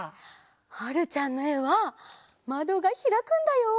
はるちゃんのえはまどがひらくんだよ！